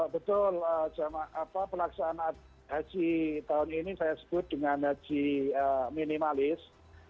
betul pelaksanaan haji tahun ini saya sebut dengan haji minimalis